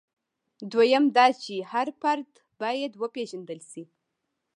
دویم دا چې هر فرد باید وپېژندل شي.